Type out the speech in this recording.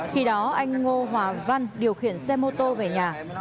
khi đó anh ngô hòa văn điều khiển xe mô tô về nhà